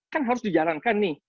kan harus dijalankan nih